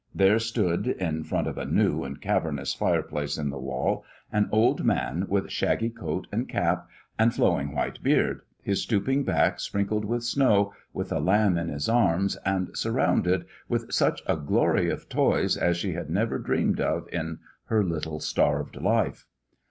There stood, in front of a new and cavernous fireplace in the wall, an old man with shaggy coat and cap, and flowing white beard, his stooping back sprinkled with snow, with a lamb in his arms, and surrounded with such a glory of toys as she had never dreamed of in her little starved life.